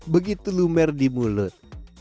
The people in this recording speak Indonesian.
begitu lumer di mulut